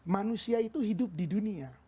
manusia itu hidup di dunia